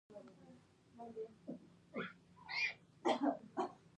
چای سوړ شوی